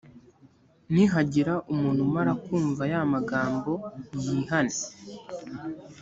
nihagira umuntu umara kumva ya magambo, yihane,